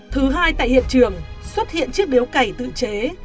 thứ hai tại hiện trường xuất hiện chiếc điếu cày tự chế